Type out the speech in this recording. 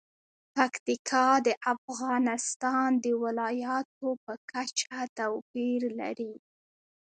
پکتیکا د افغانستان د ولایاتو په کچه توپیر لري.